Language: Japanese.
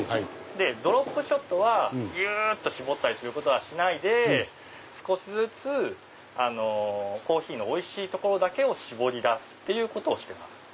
ドロップショットはぎゅっと搾ったりしないで少しずつコーヒーのおいしいところだけを搾り出すっていうことをしてます。